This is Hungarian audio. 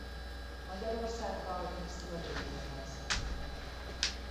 Magyarországgal és Szlovéniával szomszédos.